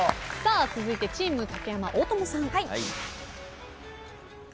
続いてチーム竹山大友さん。